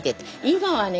今はね